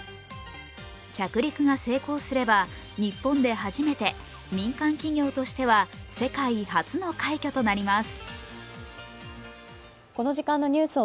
着陸が成功すれば日本で初めて民間企業としては世界初の快挙となります。